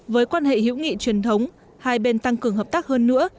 với quan hệ hữu nghị truyền thống hai bên tăng cường hợp tác hơn nữa